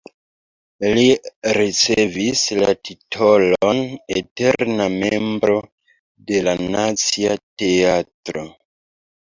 Li ricevis la titolon eterna membro de la Nacia Teatro.